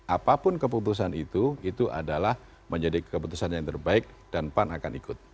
apapun keputusan itu itu adalah menjadi keputusan yang terbaik dan pan akan ikut